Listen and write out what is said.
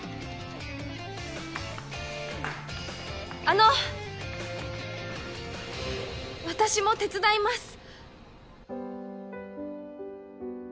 あの私も手伝います